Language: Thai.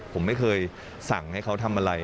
ผมไม่เคยสั่งให้เขาทำอะไร